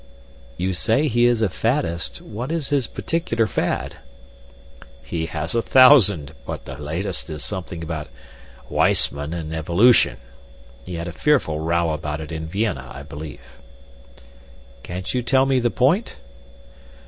"You say he is a faddist. What is his particular fad?" "He has a thousand, but the latest is something about Weissmann and Evolution. He had a fearful row about it in Vienna, I believe." "Can't you tell me the point?"